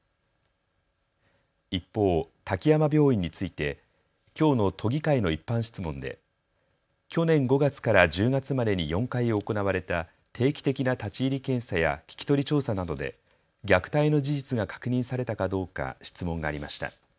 一方、滝山病院についてきょうの都議会の一般質問で去年５月から１０月までに４回行われた定期的な立ち入り検査や聞き取り調査などで虐待の事実が確認されたかどうか質問がありました。